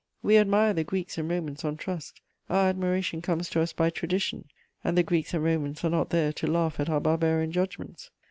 We admire the Greeks and Romans on trust; our admiration comes to us by tradition, and the Greeks and Romans are not there to laugh at our barbarian judgments.